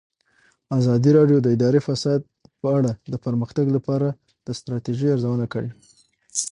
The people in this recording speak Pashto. ازادي راډیو د اداري فساد په اړه د پرمختګ لپاره د ستراتیژۍ ارزونه کړې.